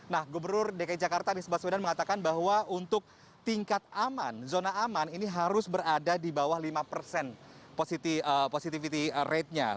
nah gubernur dki jakarta anies baswedan mengatakan bahwa untuk tingkat aman zona aman ini harus berada di bawah lima persen positivity ratenya